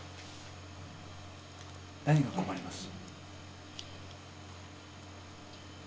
何が困ります？